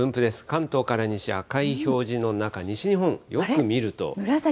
関東から西、赤い表示の中、西日本、よく見ると。